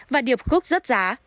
và điệp khúc rớt giá